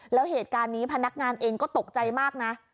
แล้วเหตุการณ์นี้พนักงานเองก็ตกใจมากนะ